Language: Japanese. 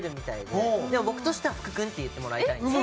でも僕としては「福君」って言ってもらいたいんですけど。